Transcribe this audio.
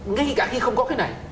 ngay cả khi không có cái này